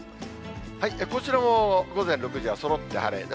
こちらも午前６時はそろって晴れ。